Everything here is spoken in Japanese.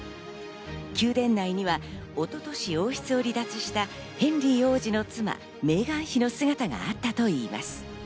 宮殿内には一昨年、王室を離脱したヘンリー王子の妻・メーガン妃の姿があったといいます。